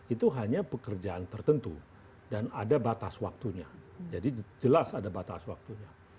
itu hanya pekerjaan tertentu dan ada batas waktunya jadi jelas ada batas waktunya